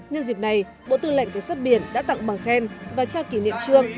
nhân dịp này bộ tư lệnh cảnh sát biển đã tặng bằng khen và trao kỷ niệm trương